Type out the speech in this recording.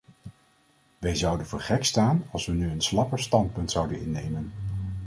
Wij zouden voor gek staan als we nu een slapper standpunt zouden innemen.